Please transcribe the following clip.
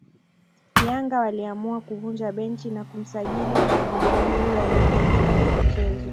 Yanga waliamua kuvunja benchi na kumsajili mshambuliaji huyo aliyejengeka kimichezo